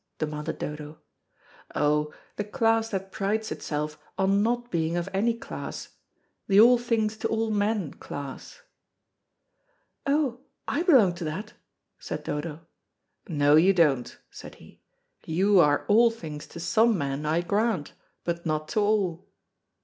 demanded Dodo. "Oh, the class that prides itself on not being of any class the all things to all men class." "Oh, I belong to that," said Dodo. "No, you don't," said he. "You are all things to some men, I grant, but not to all."